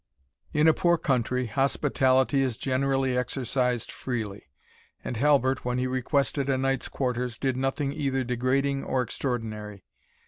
In a poor country, hospitality is generally exercised freely, and Halbert, when he requested a night's quarters, did nothing either degrading or extraordinary.